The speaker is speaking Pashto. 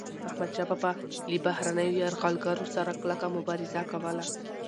احمدشاه بابا به له بهرنيو یرغلګرو سره کلکه مبارزه کوله.